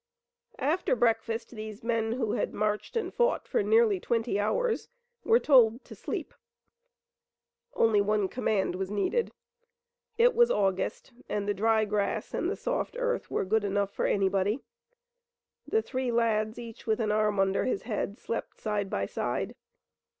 After breakfast these men who had marched and fought for nearly twenty hours were told to sleep. Only one command was needed. It was August, and the dry grass and the soft earth were good enough for anybody. The three lads, each with an arm under his head, slept side by side.